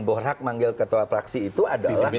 boh manggil ketua praksi itu adalah